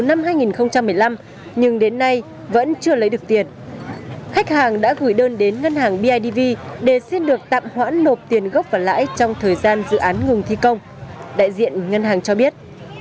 nguyễn viết dũng đã gửi đơn đến ngân hàng bidv để xin được tạm khoản lộp tiền gốc và lãi trong thời gian dự án ngừng thi công đại diện ngân hàng cho biết